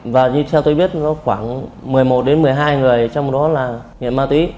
và như theo tôi biết khoảng một mươi một đến một mươi hai người trong đó là nghiện ma túy